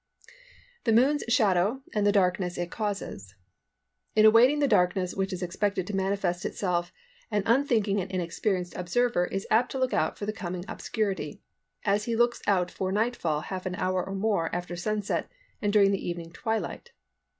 THE MOON'S SHADOW AND THE DARKNESS IT CAUSES. In awaiting the darkness which is expected to manifest itself an unthinking and inexperienced observer is apt to look out for the coming obscurity, as he looks out for night fall half an hour or more after sunset and during the evening twilight.